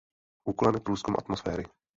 Úkolem je průzkum atmosféry.